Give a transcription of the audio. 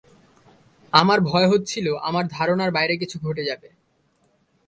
আমার ভয় হচ্ছিল, আমার ধারণার বাইরে কিছু ঘটে যাবে।